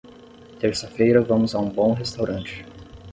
Terça-feira vamos a um bom restaurante.